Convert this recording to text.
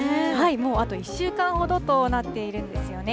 もうあと１週間ほどとなっているんですよね。